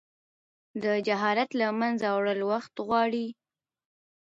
د جهالت له منځه وړل وخت غواړي.